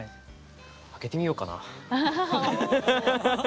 上げてみようかな。